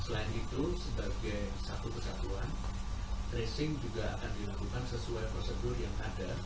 selain itu sebagai satu kesatuan tracing juga akan dilakukan sesuai prosedur yang ada